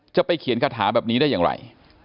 จะไปเขียนคาถาแบบนี้ได้อย่างไร